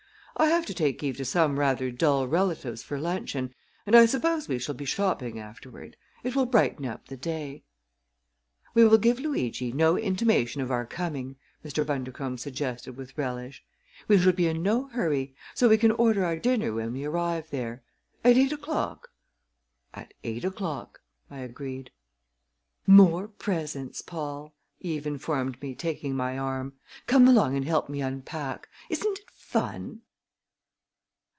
"I have to take Eve to some rather dull relatives for luncheon, and I suppose we shall be shopping afterward. It will brighten up the day." "We will give Luigi no intimation of our coming," Mr. Bundercombe suggested with relish. "We shall be in no hurry; so we can order our dinner when we arrive there. At eight o'clock?" "At eight o'clock!" I agreed. "More presents, Paul!" Eve informed me, taking my arm. "Come along and help me unpack! Isn't it fun?"